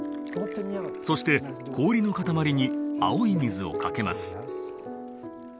そして氷の塊に青い水をかけます。